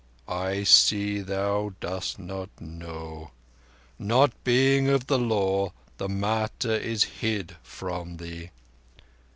"I see thou dost not know. Not being of the Law, the matter is hid from thee."